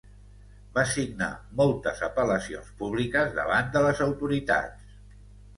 Va signar moltes apel·lacions públiques davant de les autoritats.